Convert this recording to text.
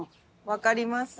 分かります。